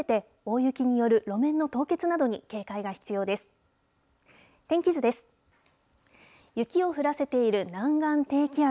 雪を降らせている南岸低気圧。